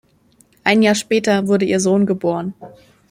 Ein Jahr später wurde ihr Sohn geboren.